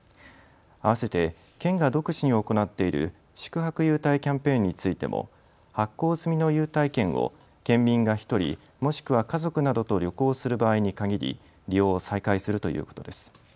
あわせて、県が独自に行っている宿泊優待キャンペーンについても発行済みの優待券を県民が１人、もしくは家族などと旅行する場合に限り利用を再開するということです。